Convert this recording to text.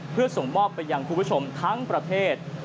เพื่อส่งมอบไปยังคุณผู้ชมทั้งประเทศ